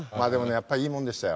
やっぱりいいもんでしたよ